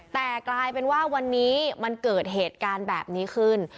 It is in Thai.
แต่กลายเป็นว่าวันนี้มันเกิดเหตุการณ์แบบนี้ขึ้น